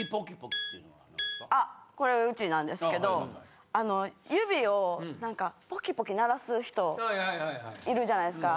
あこれうちなんですけどあの指をなんかポキポキ鳴らす人いるじゃないですか。